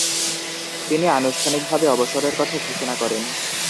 তিনি আনুষ্ঠানিকভাবে অবসরের কথা ঘোষণা করেন।